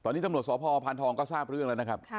ตอนนี้ตำรวจสพพานทองก็ทราบเรื่องแล้วนะครับ